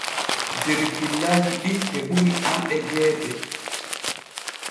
Der fillajiɗin heɓuni anɗe geete.